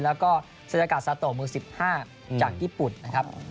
แล้วก็เซยากาศซาโตมือ๑๕จากญี่ปุ่นนะครับ